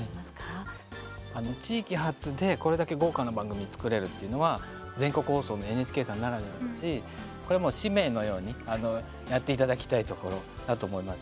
あの地域発でこれだけ豪華な番組作れるっていうのは全国放送のＮＨＫさんならではだしこれはもう使命のように、あのやっていただきたいところだと思います。